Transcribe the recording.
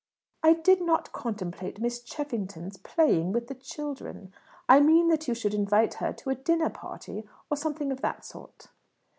"I did not contemplate Miss Cheffington's playing with the children. I meant that you should invite her to a dinner party, or something of that sort."